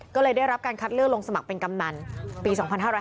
ก็เลยได้รับการคัดเลือกลงสมัครเป็นกำนันปี๒๕๕๙